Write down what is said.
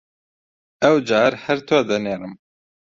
ئەوجار هەر تۆ دەنێرم!